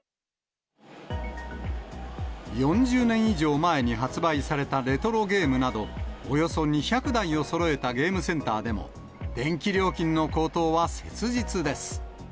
４０年以上前に発売されたレトロゲームなど、およそ２００台をそろえたゲームセンターでも、電気料金の高騰は切実です。